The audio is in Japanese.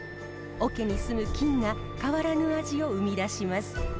おけにすむ菌が変わらぬ味を生み出します。